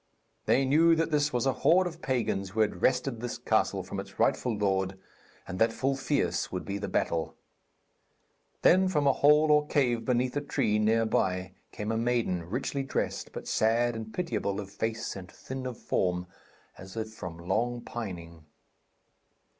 They knew that this was a horde of pagans who had wrested this castle from its rightful lord, and that full fierce would be the battle. Then from a hole or cave beneath a tree near by came a maiden, richly dressed, but sad and pitiable of face and thin of form, as if from long pining.